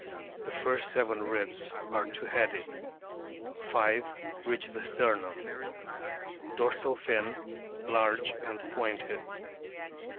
The first seven ribs are two headed ; five reach the sternum. Dorsal fin large and pointed.